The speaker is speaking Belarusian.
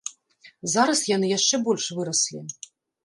Зараз яны яшчэ больш выраслі.